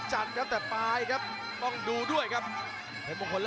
จังหวาดึงซ้ายตายังดีอยู่ครับเพชรมงคล